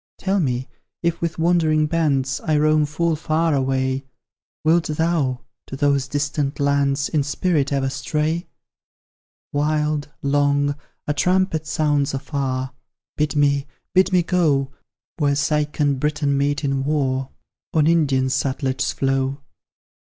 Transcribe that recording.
Tell me, if with wandering bands I roam full far away, Wilt thou to those distant lands In spirit ever stray? Wild, long, a trumpet sounds afar; Bid me bid me go Where Seik and Briton meet in war, On Indian Sutlej's flow.